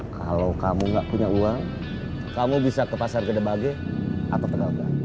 kalau kamu nggak punya uang kamu bisa ke pasar gede bage atau pedagang